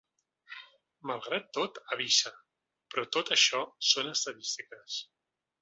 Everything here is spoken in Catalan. Malgrat tot, avisa: Però tot això són estadístiques.